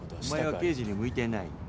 お前は刑事に向いてない。